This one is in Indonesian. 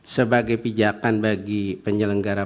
sebagai pijakan bagi penyelenggara